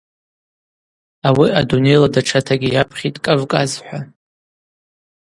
Ауи адунейла датшатагьи йапхьитӏ – Кӏавкӏаз – хӏва.